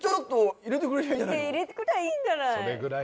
入れてくれたらいいんじゃない。